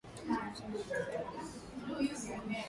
chemsha mafuta kw moto mdogo